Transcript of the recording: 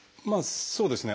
そうですね。